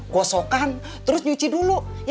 gosokan terus nyuci dulu